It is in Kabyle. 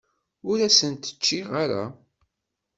Ur asen-t-ččiɣ ara.